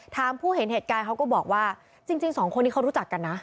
ผู้เห็นเหตุการณ์เขาก็บอกว่าจริงสองคนนี้เขารู้จักกันนะ